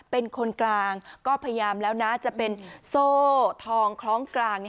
เป็นคนกลางก็พยายามแล้วนะจะเป็นโซ่ทองคล้องกลาง